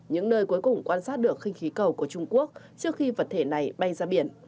những nơi cuối cùng quan sát được khinh khí cầu của trung quốc trước khi vật thể này bay ra biển